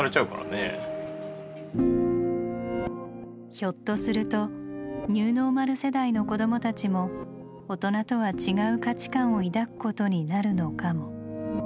ひょっとするとニューノーマル世代の子どもたちも大人とは違う価値観を抱くことになるのかも。